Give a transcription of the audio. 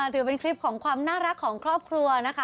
ถือเป็นคลิปของความน่ารักของครอบครัวนะคะ